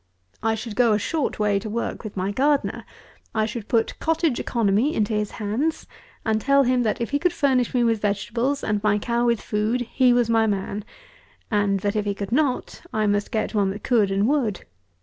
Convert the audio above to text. I should go a short way to work with my gardener. I should put Cottage Economy into his hands, and tell him, that if he could furnish me with vegetables, and my cow with food, he was my man; and that if he could not, I must get one that could and would.